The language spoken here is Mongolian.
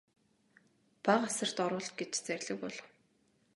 Бага асарт оруул гэж зарлиг буулгав.